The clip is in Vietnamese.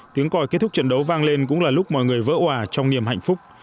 tiếng còi kết thúc trận đấu vang lên cũng là lúc mọi người vỡ hòa trong niềm hạnh phúc